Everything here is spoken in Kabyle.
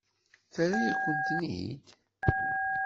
Terra-yakent-ten-id?